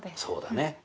そうだね。